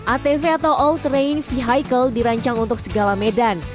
atv atau all train vehicle dirancang untuk segala medan